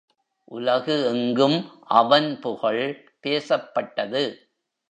உலகு எங்கும் அவன் புகழ் பேசப்பட்டது.